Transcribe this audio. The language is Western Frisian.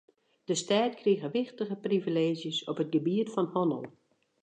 De stêd krige wichtige privileezjes op it gebiet fan hannel.